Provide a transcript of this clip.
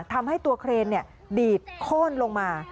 ทำให้ตัวเครนดีดโค้นลงมา